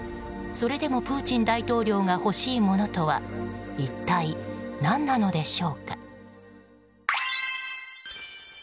それでもプーチン大統領が欲しいものとは一体、何なのでしょうか。